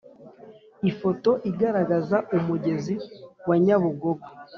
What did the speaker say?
Ifoto igaragaza umugezi wa Nyabugogo